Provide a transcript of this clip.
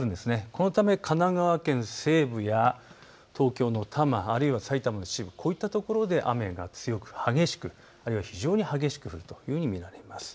このため神奈川県西部や東京の多摩、あるいは埼玉の秩父、こういったところで雨が強く激しくあるいは非常に激しく降ると見られます。